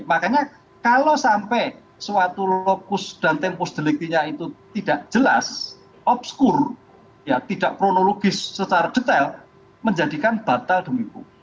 makanya kalau sampai suatu lokus dan tempus deliktinya itu tidak jelas obskur tidak kronologis secara detail menjadikan batal demi hukum